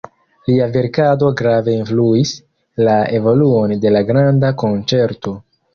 Lia verkado grave influis la evoluon de la granda konĉerto.